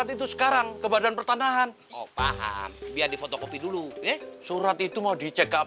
kita kesini ada perlu sama lo